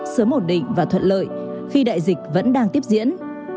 sớm ổn định và thuận lợi khi đại dịch vẫn đang tiếp diễn